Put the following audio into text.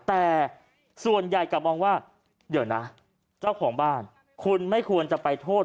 แต่ส่วนใหญ่กลับมองว่าเดี๋ยวนะเจ้าของบ้านคุณไม่ควรจะไปโทษ